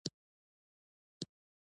ایا ستاسو همت به نه ټیټیږي؟